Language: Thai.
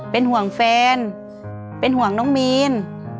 เป็นห่วงแฟนเป็นห่วงน้องมีน